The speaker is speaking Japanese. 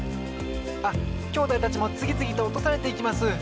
あっきょうだいたちもつぎつぎとおとされていきます！